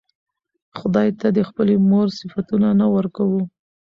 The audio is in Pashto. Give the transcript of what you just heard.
خداى ته د خپلې مور صفتونه نه ورکوو